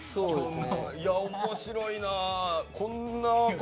いや面白いな。